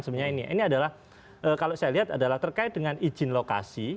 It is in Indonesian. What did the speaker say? sebenarnya ini adalah kalau saya lihat adalah terkait dengan izin lokasi